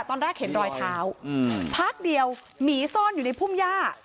ตอนแรกเห็นรอยเท้าพักเดียวหมีซ่อนอยู่ในพุ่มย่า